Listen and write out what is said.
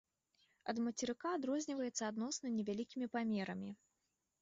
Ад мацерыка адрозніваецца адносна невялікімі памерамі.